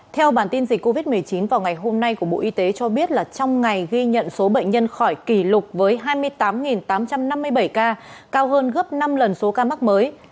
theo bản tin dịch covid một mươi chín vào ngày hôm nay của bộ y tế cho biết là trong ngày ghi nhận số bệnh nhân khỏi kỷ lục với hai mươi tám tám trăm năm mươi bảy ca cao hơn gấp năm lần số ca mắc mới